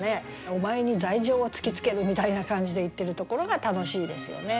「お前に罪状を突きつける！」みたいな感じで言ってるところが楽しいですよね。